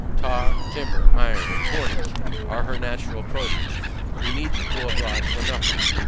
Tar, timber, iron, and cordage are her natural produce. We need go abroad for nothing.